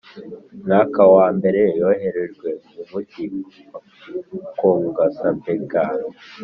mwaka wa mbere yoherejwe mu mugi wa Kongsberg